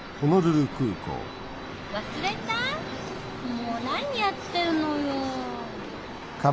もう何やってんのよ！